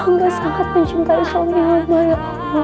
enggak sangat mencintai suami lama ya allah